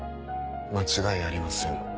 間違いありません。